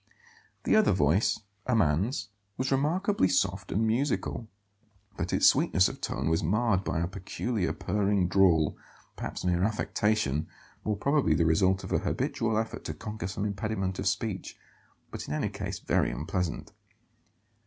The other voice, a man's, was remarkably soft and musical; but its sweetness of tone was marred by a peculiar, purring drawl, perhaps mere affectation, more probably the result of a habitual effort to conquer some impediment of speech, but in any case very unpleasant.